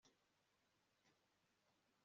aho uribuka ubugome bwawe bwose umutima wawe